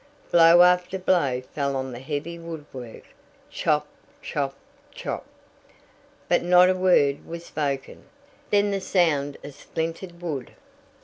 Blow after blow fell on the heavy woodwork. Chop! Chop! Chop! But not a word was spoken. Then the sound of splintered wood.